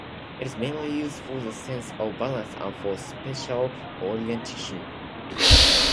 It is mainly used for the sense of balance and for spatial orientation.